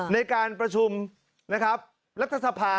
ในการประชุมรัฐสภา